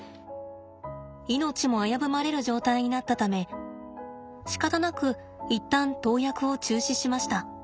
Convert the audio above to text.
命も危ぶまれる状態になったためしかたなく一旦投薬を中止しました。